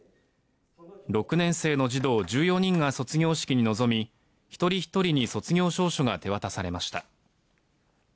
６年生の児童１４人が卒業式に臨み一人ひとりに卒業証書が手渡されました。